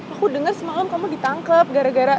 aku dengar semalam kamu ditangkap gara gara